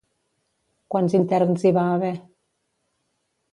Quants interns hi va haver?